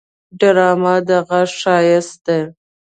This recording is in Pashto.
ډرامه د غږ ښايست دی